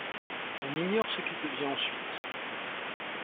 On ignore ce qu'il devient ensuite.